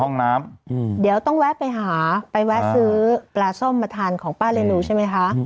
ห้องน้ำเดี๋ยวต้องแวะไปหาไปแวะซื้อปลาส้มมาทานของป้าเรนูใช่ไหมคะ